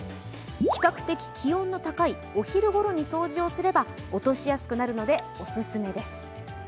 比較的気温の高いお昼ごろに掃除をすれば落としやすくなるのでオススメです。